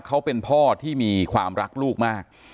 เขาเป็นพ่อที่มีความรักลูกมาก